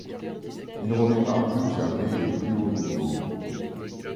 Il ne reviendra plus jamais au plus haut niveau.